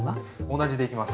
同じでいきます。